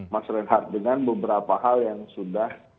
mas reinhardt dengan beberapa hal yang sudah